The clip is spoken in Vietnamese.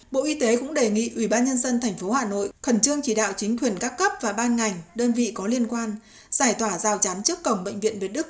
bộ y tế cũng đề nghị ubnd tp hà nội khẩn trương chỉ đạo chính quyền các cấp và ban ngành đơn vị có liên quan giải tỏa rào chắn trước cổng bệnh viện việt đức